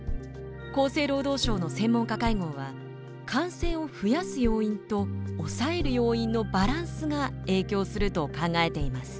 厚生労働省の専門家会合は感染を増やす要因と抑える要因のバランスが影響すると考えています。